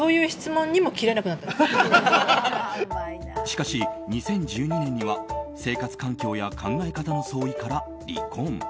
しかし２０１２年には生活環境や考え方の相違から離婚。